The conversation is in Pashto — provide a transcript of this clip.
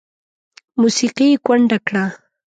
موسیقي یې کونډه کړه